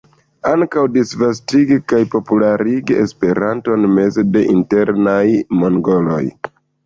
Ankaŭ disvastigi kaj popularigi Esperanton meze de internaj mongoloj.